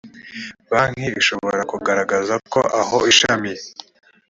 banki ishobora kugaragaza ko aho ishami